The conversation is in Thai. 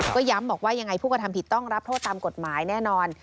ก็ย้ำบอกว่ายังไงผู้กระทำผิดต้องรับโทษตามกฎหมายแน่นอน